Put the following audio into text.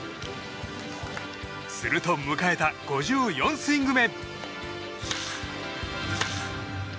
すると、迎えた５４スイング目。